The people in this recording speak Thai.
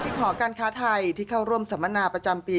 หอการค้าไทยที่เข้าร่วมสัมมนาประจำปี